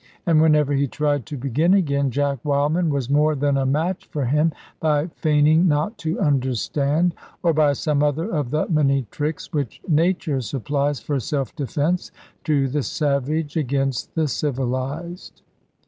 And whenever he tried to begin again, Jack Wildman was more than a match for him, by feigning not to understand, or by some other of the many tricks which nature supplies, for self defence, to the savage against the civilised.